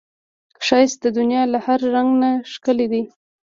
ښایست د دنیا له هر رنګ نه ښکلی دی